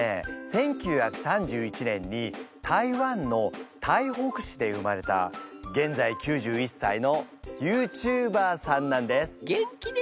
１９３１年に台湾の台北市で生まれた現在９１歳のＹｏｕＴｕｂｅｒさんなんです。